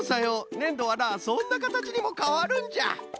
ねんどはなそんなかたちにもかわるんじゃ！